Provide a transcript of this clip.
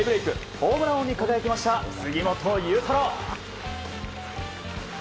ホームラン王に輝きました杉本裕太郎。